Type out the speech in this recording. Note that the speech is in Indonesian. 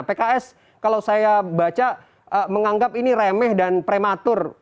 pks kalau saya baca menganggap ini remeh dan prematur